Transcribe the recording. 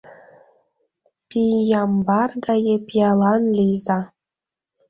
Пиямбар гае пиалан лийза!